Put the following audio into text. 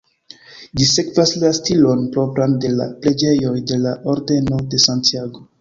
Ĝi sekvas la stilon propran de la preĝejoj de la Ordeno de Santiago.